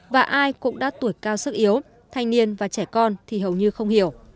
và ai cũng đã tuổi cao sức yếu thanh niên và trẻ con thì hầu như không hiểu